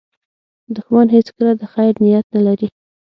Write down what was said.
دښمن هیڅکله د خیر نیت نه لري